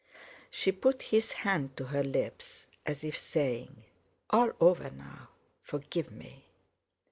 She put his hand to her lips, as if saying: "All over now! Forgive me!"